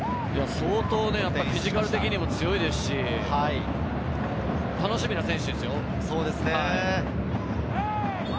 フィジカル的にも強いですし、楽しみな選手ですよ。